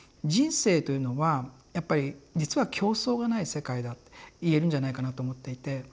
人生というのはやっぱり実は競争がない世界だっていえるんじゃないかなと思っていて。